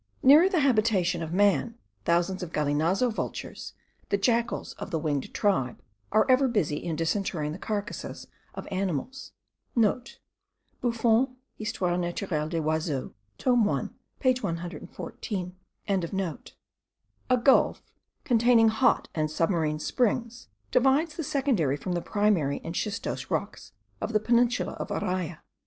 Nearer the habitation of man, thousands of galinazo vultures, the jackals of the winged tribe, are ever busy in disinterring the carcases of animals.* (* Buffon Hist. Nat. des Oiseaux tome 1 page 114.) A gulf, containing hot and submarine springs, divides the secondary from the primary and schistose rocks of the peninsula of Araya.